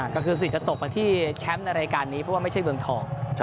ก็คือสิทธิ์จะตกมาที่แชมป์ในรายการนี้เพราะว่าไม่ใช่เมืองทอง